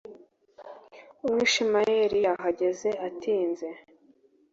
Umwishimayeli yahageze atinze